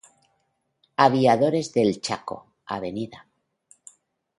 Aviadores del Chaco", "Av.